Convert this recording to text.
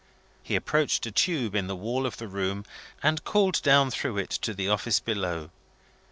He approached a tube in the wall of the room, and called down through it to the office below.